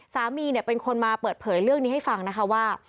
สามีเป็นคนมาเปิดเผยเรื่องนี้ให้ฟังนะคะว่า